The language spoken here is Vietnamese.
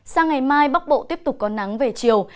sang ngày mai bắc bộ tiếp tục có nắng về chiều